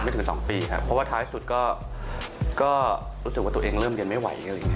ไม่ถึงสองปีครับเพราะว่าท้ายสุดก็รู้สึกว่าตัวเองเริ่มเรียนไม่ไหวเลย